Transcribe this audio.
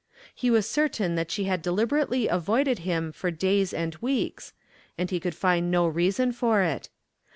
He was certain that she had deliberately avoided him for days and weeks, and he could find no reason for it.